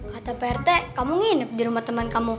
kata prt kamu nginap di rumah temen kamu